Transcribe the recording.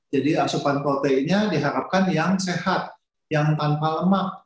jadi asupan proteinnya diharapkan yang sehat yang tanpa lemak